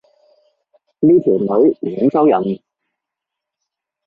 呢條女廣州人